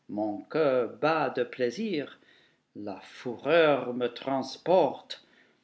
"Mon coeur bat de plaisir!" "La fureur me transporte!"